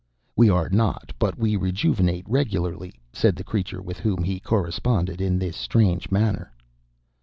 "We are not, but we rejuvenate regularly," said the creature with whom he corresponded in this strange manner.